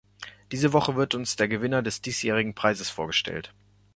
Diese Woche wird uns der der Gewinner des diesjährigen Preises vorgestellt.